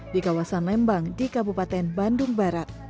di kawasan lembang di kabupaten bandung barat